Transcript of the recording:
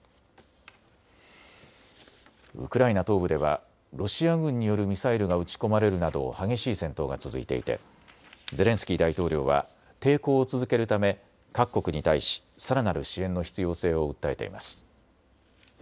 ウクライナ東部ではロシア軍によるミサイルが撃ち込まれるなど激しい戦闘が続いていてゼレンスキー大統領は抵抗を続けるため各国に対しさらなる支援の必要性を訴えています。